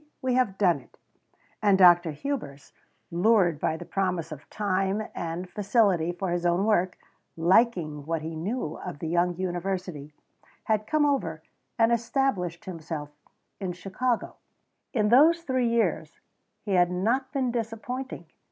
We have done it!" And Dr. Hubers, lured by the promise of time and facility for his own work, liking what he knew of the young university, had come over and established himself in Chicago. In those three years he had not been disappointing.